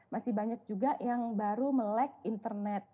masih banyak juga yang baru melek internet